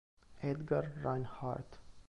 Edgar Reinhardt